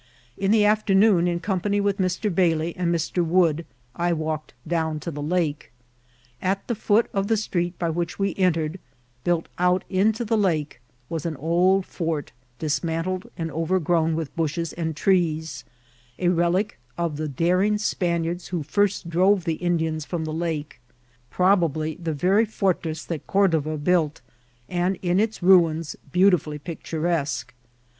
In the afternoon, in company with Mr. Bailey and Mr. Wood, I walked down to the lake. At the foot of the street by which we entered, built out into the lake, was an old fort, dismantled, and overgrown With bushes and trees, a relic of the daring Spaniards who first drove the Indians from the lake ; jHrobably the very fwtress that Cordova built, and in its ruins beautifully picturesque.